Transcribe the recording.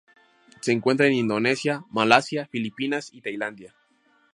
Se encuentra en Indonesia, Malasia, Filipinas, y Tailandia.